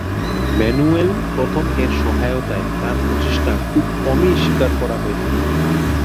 Manuel প্রথম-এর সহায়তায় তার প্রচেষ্টা খুব কমই স্বীকার করা হয়ে থাকে।